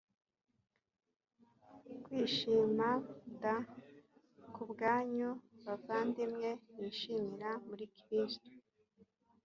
kwishima d ku bwanyu bavandimwe nishimira muri kristo